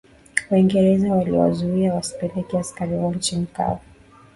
waingereza waliwazuia wasipeleke askari wao nchi kavu